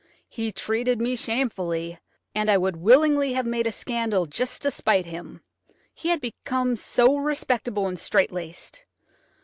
He treated me shamefully, and I would willingly have made a scandal just to spite him; he had become so respectable and strait laced.